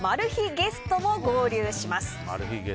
ゲストも合流します。